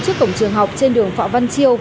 trước cổng trường học trên đường phạm văn chiêu